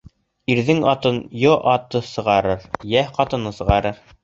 Ирҙең атын йо аты сығарыр, йә ҡатыны сығарыр.